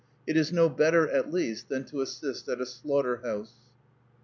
It is no better, at least, than to assist at a slaughter house.